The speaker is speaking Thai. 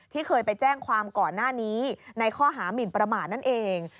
เคยไปแจ้งความก่อนหน้านี้ในข้อหามินประมาทนั่นเอง